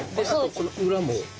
この裏も。